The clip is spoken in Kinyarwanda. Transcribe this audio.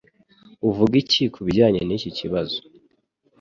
Uvuga iki kubijyanye niki kibazo?